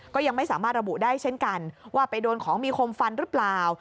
ก็ยังไม่สามารถระบุได้เช่นกันว่าไปโดนของมีคมฟันหรือเปล่า